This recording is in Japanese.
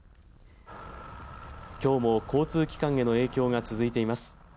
きょうも交通機関への影響が続いています。